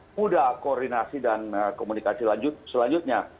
sudah koordinasi dan komunikasi selanjutnya